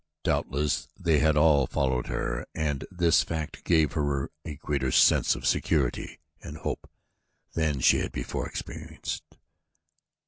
Doubtless they had all followed her and this fact gave her a greater sense of security and hope than she had before experienced.